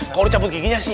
kalau dicabut giginya sih